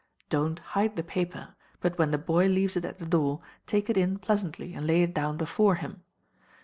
Don't hide the paper, but when the boy leaves it at the door, take it in pleasantly, and lay it down before him.